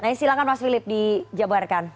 oke silahkan mas filip dijabarkan